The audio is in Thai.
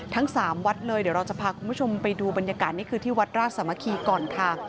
ทั้ง๓วัดเลยเดี๋ยวเราจะพาคุณผู้ชมไปดูบรรยากาศนี่คือที่วัดราชสามัคคีก่อนค่ะ